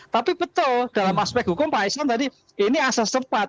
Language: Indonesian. tapi betul dalam aspek hukum pak islan tadi ini asas cepat